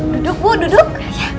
duduk bu duduk